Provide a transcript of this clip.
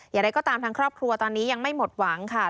อย่างไรก็ตามทางครอบครัวตอนนี้ยังไม่หมดหวังค่ะ